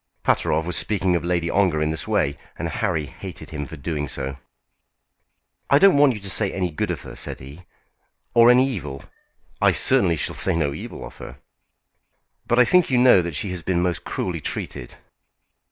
Pateroff was speaking of Lady Ongar in this way, and Harry hated him for doing so. "I don't want you to say any good of her," said he, "or any evil." "I certainly shall say no evil of her." "But I think you know that she has been most cruelly treated."